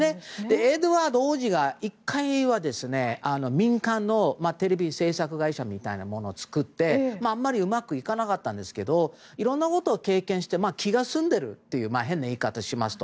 エドワード王子が１回、民間のテレビ制作会社みたいなものを作って、あまりうまくいかなかったんですがいろんなことを経験して気が済んでいるという変な言い方をしますと。